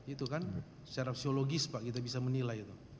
itu kan secara psikologis pak kita bisa menilai itu